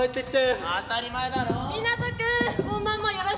当たり前だろ。